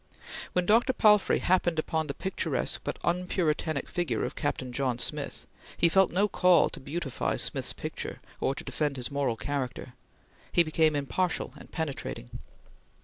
When Dr. Palfrey happened on the picturesque but unpuritanic figure of Captain John Smith, he felt no call to beautify Smith's picture or to defend his moral character; he became impartial and penetrating.